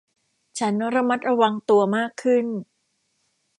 ฉันระมัดระวังตัวมากขึ้น